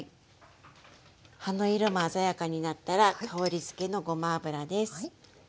葉の色も鮮やかになったら香りづけのごま油です。